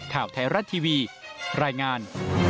ข่าวไทยรัฐทีวีรายงาน